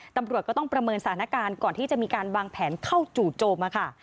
ตำรวจก็ต้องประเมินสถานการณ์ก่อนที่จะมีการวางแผนเข้าจู่โจมค่ะ